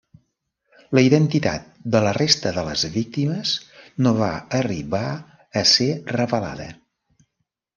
La identitat de la resta de les víctimes no va arribar a ser revelada.